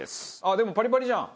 でもパリパリじゃん。